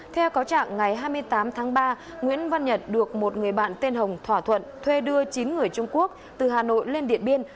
theo cáo trạng ngày hai mươi tám tháng ba nguyễn văn nhật được một người bạn tên hồng thỏa thuận thuê đưa chín người trung quốc từ hà nội lên điện biên